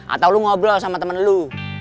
atau lu ngobrol sama temen lu